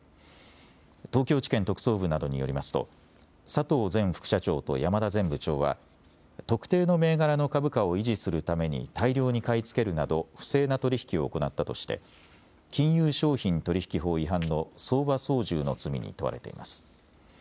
東京地検特捜部などによりますと佐藤前副社長と山田前部長は特定の銘柄の株価を維持するために大量に買い付けるなど不正な取引を行ったとして金融商品取引法違反の相場操縦の罪に問われています。